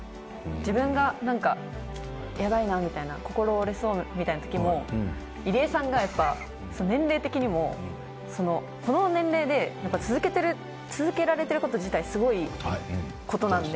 自分がなんか「やばいな」みたいな「心折れそう」みたいな時も入江さんがやっぱ年齢的にもこの年齢で続けてる続けられてる事自体すごい事なので。